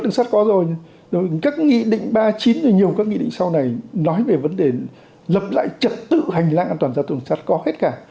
đường sắt có rồi các nghị định ba chín và nhiều các nghị định sau này nói về vấn đề lập lại trật tự hành lãng an toàn ra đường sắt có hết cả